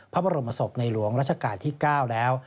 พระบรมศพในหลวงรัชกาลที่๙แล้ว